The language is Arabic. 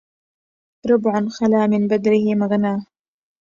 ربع خلا من بدره مغناه